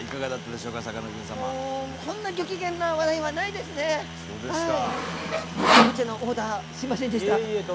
すギョいむちゃなオーダーすいませんでした。